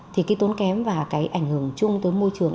thì cái tốn kém và cái ảnh hưởng chung tới môi trường